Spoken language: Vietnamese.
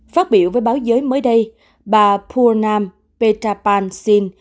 phát biểu với báo giới mới đây bà purnam petrapansin